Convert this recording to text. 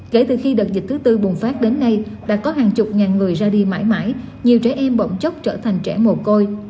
kể từ khi đợt dịch thứ tư bùng phát đến nay đã có hàng chục ngàn người ra đi mãi mãi nhiều trẻ em bỗng chốc trở thành trẻ mồ côi